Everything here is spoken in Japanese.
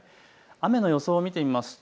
雨の予想を見てみますと